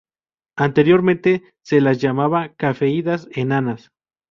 Anteriormente se las llamaba "Cefeidas Enanas".